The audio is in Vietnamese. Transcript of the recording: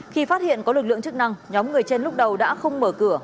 khi phát hiện có lực lượng chức năng nhóm người trên lúc đầu đã không mở cửa